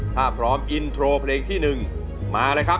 ถ้าพร้อมอินโทรเพลงที่๑มาเลยครับ